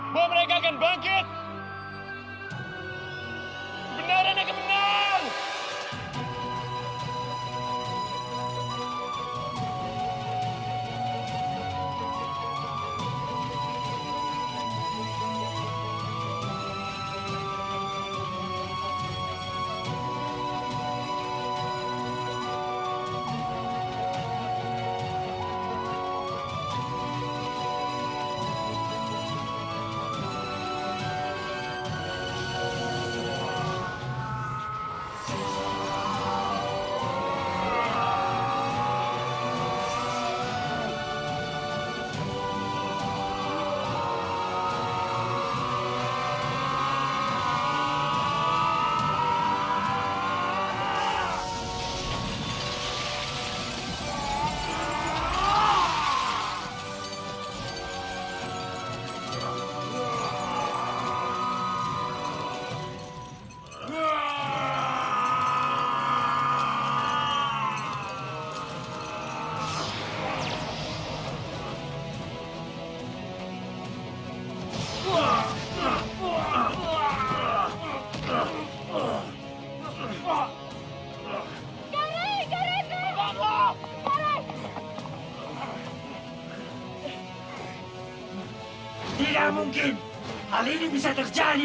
mereka akan bangkit